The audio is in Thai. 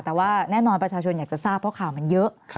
แต่ว่าแน่นอนประชาชนอยากจะทราบเพราะข่าวมันเยอะ